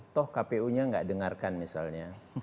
toh kpu nya nggak dengarkan misalnya